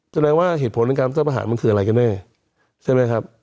แสดงว่าเหตุผลในการรัฐประหารมันคืออะไรกันแน่ใช่ไหมครับ